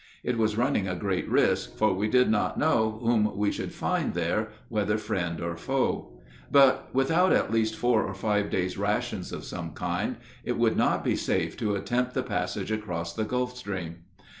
It was running a great risk, for we did not know whom we should find there, whether friend or foe. But without at least four or five days' rations of some kind, it would not be safe to attempt the passage across the Gulf Stream.